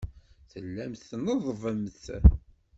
Tellamt tneḍḍbemt.